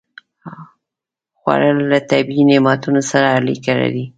خوړل له طبیعي نعمتونو سره اړیکه لري